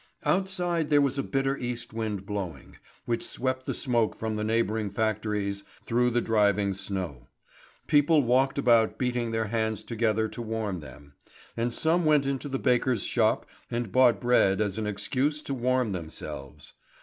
Outside there was a bitter east wind blowing, which swept the smoke from the neighbouring factories through the driving snow. People walked about beating their hands together to warm them; and some went into the baker's shop and bought bread as an excuse to warm themselves.